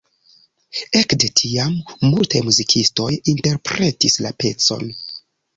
Ekde tiam multaj muzikistoj interpretis la pecon.